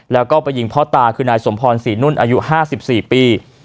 แล้วก็ไปยิงพ่อตาคือนายสมพรศรีนุ่นอายุ๕๔ปี